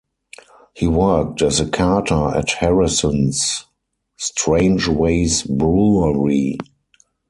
He worked as a carter at Harrison's Strangeways Brewery.